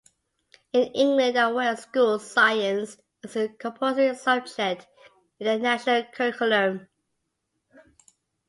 In England and Wales schools science is a compulsory subject in the National Curriculum.